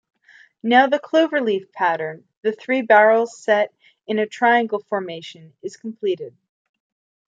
Now the cloverleaf pattern, the three barrels set in a triangle formation, is completed.